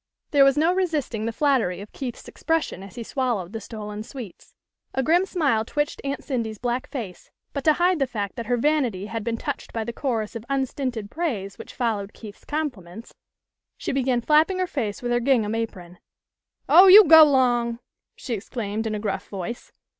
There was no resisting the flattery of Keith's expression as he swallowed the stolen sweets. A grim smile twitched Aunt Cindy's black face, but to hide the fact that her vanity had been touched by the chorus of unstinted praise which followed Keith's compliments, she began flapping her face with her gingham apron. " Oh, you go 'long !" she exclaimed, in a gruff voice.